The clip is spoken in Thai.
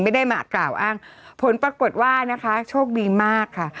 ไม่ได้มากล่าวอ้างผลปรากฏว่านะคะโชคดีมากค่ะ